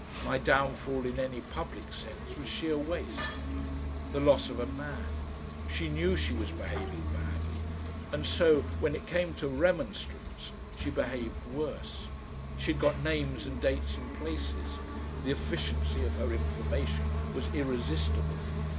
My downfall in any public sense was sheer waste, the loss of a man. She knew she was behaving badly, and so, when it came to remonstrance, she behaved worse. She'd got names and dates and places; the efficiency of her information was irresistible.